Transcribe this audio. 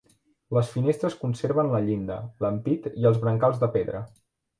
Les finestres conserven la llinda, l'ampit i els brancals de pedra.